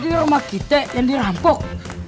jadi rumah kita yang dirampok